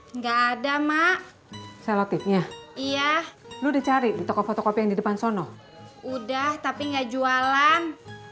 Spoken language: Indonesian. enggak ada mak selotip iya iya udah cari toko fotokopi di depan sono udah tapi enggak jualan